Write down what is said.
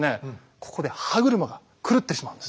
ここで歯車が狂ってしまうんです。